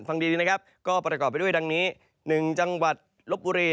ฟังดีนะครับก็ประกอบไปด้วยดังนี้๑จังหวัดลบบุรี